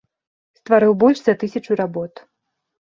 Стварыў больш за тысячу работ.